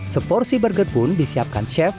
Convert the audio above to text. seporsi burger pun disiapkan chef